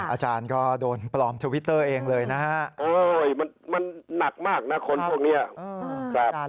อาจารย์ก็โดนปลอมทวิตเตอร์เองเลยนะฮะมันหนักมากนะคนพวกนี้ครับ